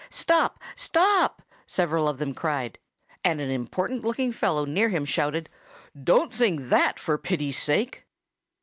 "Stop! Stop!" several of them cried. And an important looking fellow near him shouted, "Don't sing that, for pity's sake!"